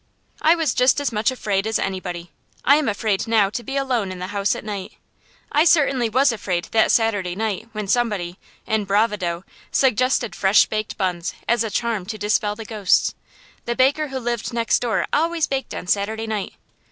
I was just as much afraid as anybody. I am afraid now to be alone in the house at night. I certainly was afraid that Saturday night when somebody, in bravado, suggested fresh baked buns, as a charm to dispel the ghosts. The baker who lived next door always baked on Saturday night.